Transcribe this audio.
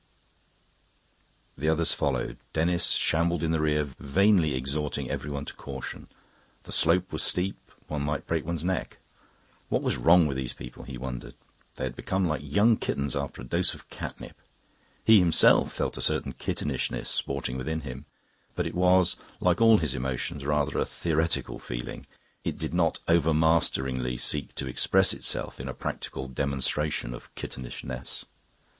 The others followed. Denis shambled in the rear, vainly exhorting everyone to caution: the slope was steep, one might break one's neck. What was wrong with these people, he wondered? They had become like young kittens after a dose of cat nip. He himself felt a certain kittenishness sporting within him; but it was, like all his emotions, rather a theoretical feeling; it did not overmasteringly seek to express itself in a practical demonstration of kittenishness.